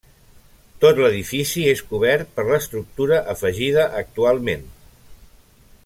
Tot l'edifici és cobert per l'estructura afegida actualment.